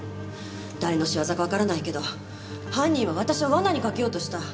誰の仕業かわからないけど犯人は私を罠にかけようとした。